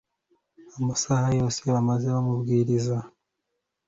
Amasaha yose bamaze babwiriza